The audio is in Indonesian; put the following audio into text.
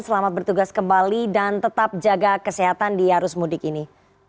selamat bertugas kembali dan tetap jaga kesehatan di arus mudik ini